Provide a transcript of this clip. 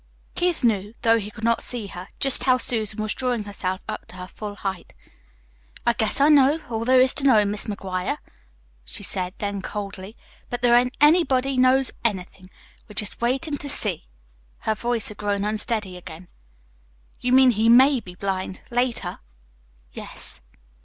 Keith knew though he could not see her just how Susan was drawing herself up to her full height. "I guess I know all there is to know, Mis' McGuire," she said then coldly. "But there ain't anybody KNOWS anything. We're jest waitin' to see." Her voice had grown unsteady again. "You mean he MAY be blind, later?" "Yes."